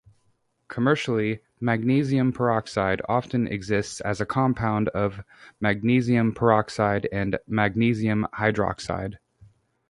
Commercially, magnesium peroxide often exists as a compound of magnesium peroxide and magnesium hydroxide.